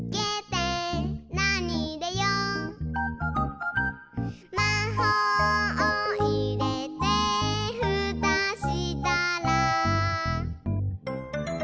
「なにいれよう？」「まほうをいれてふたしたら」